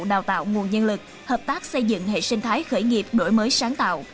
đào tạo nguồn nhân lực hợp tác xây dựng hệ sinh thái khởi nghiệp đổi mới sáng tạo